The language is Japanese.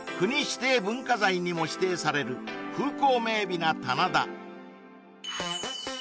指定文化財にも指定される風光明媚な棚田